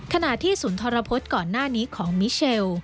ขณะที่ศูนย์ธรพฤษก่อนหน้านี้ของมิเชล